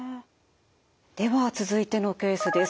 では続いてのケースです。